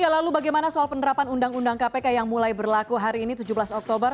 lalu bagaimana soal penerapan undang undang kpk yang mulai berlaku hari ini tujuh belas oktober